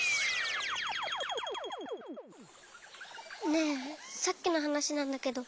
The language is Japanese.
ねえさっきのはなしなんだけど。